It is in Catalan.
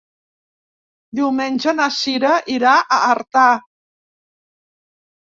Diumenge na Cira irà a Artà.